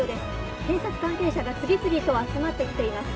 警察関係者が次々と集まってきています。